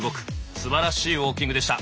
すばらしいウォーキングでした。